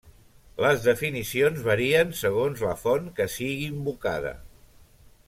Les definicions varien segons la font que sigui invocada.